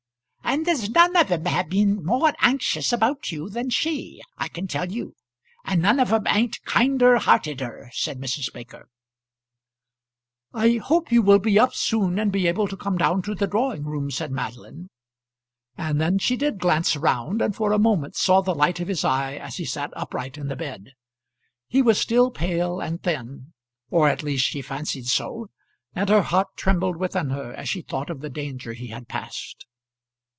"And there's none of 'em have been more anxious about you than she, I can tell you; and none of 'em ain't kinder hearteder," said Mrs. Baker. "I hope you will be up soon and be able to come down to the drawing room," said Madeline. And then she did glance round, and for a moment saw the light of his eye as he sat upright in the bed. He was still pale and thin, or at least she fancied so, and her heart trembled within her as she thought of the danger he had passed.